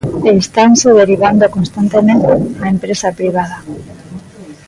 E estanse derivando constantemente á empresa privada.